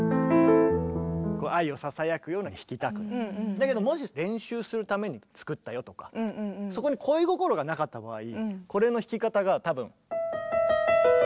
だけどもし練習するために作ったよとかそこに恋心がなかった場合これの弾き方が多分。